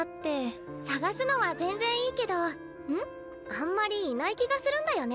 あんまりいない気がするんだよね